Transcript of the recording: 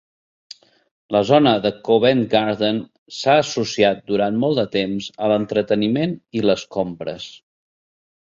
La zona de Covent Garden s'ha associat durant molt de temps a l'entreteniment i les compres.